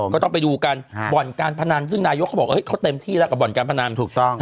ก็ต้องไปดูกันบ่อนการพนันซึ่งนายกเขาบอกเขาเต็มที่แล้วกับบ่อนการพนันถูกต้อง